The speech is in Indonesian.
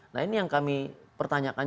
nah ini yang kami pertanyakan